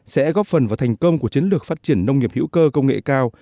sẽ góp phần vào thành công của chiến lược phát triển nông nghiệp hữu cơ công nghệ cao